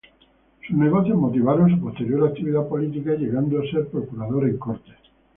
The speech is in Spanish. Sus negocios motivaron su posterior actividad política, llegando a ser procurador en Cortes.